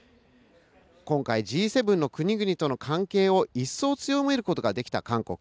今回、Ｇ７の国々との関係をいっそう強めることができた韓国。